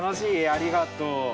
ありがとう。